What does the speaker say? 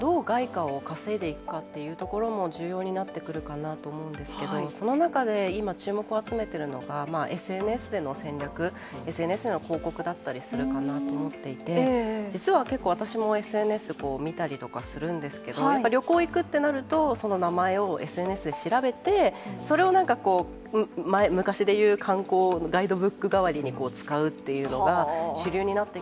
やっぱり、これからどう外貨を稼いでいくかっていうところも重要になってくるかなと思うんですけれども、その中で今、注目を集めてるのが、ＳＮＳでの戦略、ＳＮＳでの広告だったりするかなと思っていて、実は結構、私もＳＮＳ見たりとかするんですけど、やっぱり旅行行くってなると、その名前をＳＮＳで調べて、それをなんかこう、昔でいう観光ガイドブック代わりに使うっていうのが主流になって